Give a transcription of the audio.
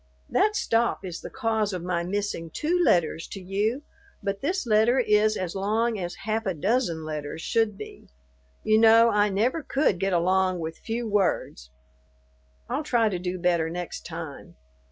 That stop is the cause of my missing two letters to you, but this letter is as long as half a dozen letters should be. You know I never could get along with few words. I'll try to do better next time.